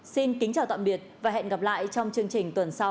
xin kính chào tạm biệt và hẹn gặp lại trong chương trình tuần sau